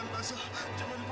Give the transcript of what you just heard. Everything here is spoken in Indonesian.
bapanya ada kaki